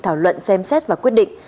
thảo luận xem xét và quyết định